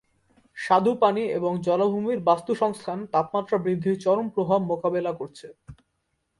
স্বাদু পানি এবং জলাভূমির বাস্তুসংস্থান তাপমাত্রা বৃদ্ধির চরম প্রভাব মোকাবেলা করছে।